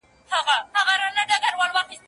خپلې شتمنۍ د نورو له غلا څخه وساتئ.